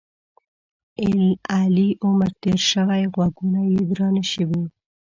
علي عمر تېر شوی؛ غوږونه یې درانه شوي.